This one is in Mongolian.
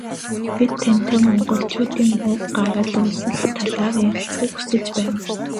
Бид тантай Монголчуудын уг гарал үүслийн талаар ярилцахыг хүсэж байна.